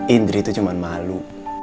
indri itu cuma malu